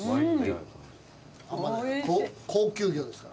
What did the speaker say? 高級魚ですから。